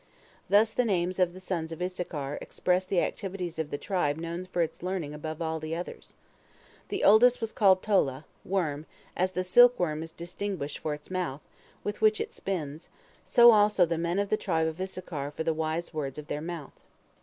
Thus the names of the sons of Issachar express the activities of the tribe known for its learning above all the others. The oldest was called Tola, "worm"; as the silk worm is distinguished for its mouth, with which it spins, so also the men of the tribe of Issachar for the wise words of their mouth.